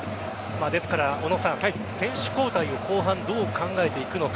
ですから小野さん選手交代を後半どう考えていくのか。